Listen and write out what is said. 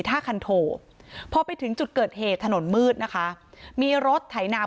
ท่าคันโทพอไปถึงจุดเกิดเหตุถนนมืดนะคะมีรถไถนาว